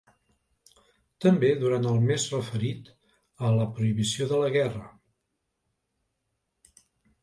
També durant el mes referit a la prohibició de la guerra.